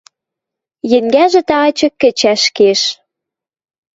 Енгӓжӹ тагачы кӹчӓш кеш.